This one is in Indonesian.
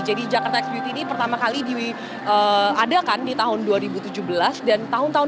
jadi jakarta x beauty ini pertama kali diadakan di tahun dua ribu tujuh belas